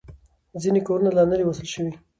ځینې کورونه لا نه دي وصل شوي.